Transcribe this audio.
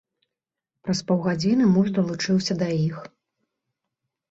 Праз паўгадзіны муж далучыўся да іх.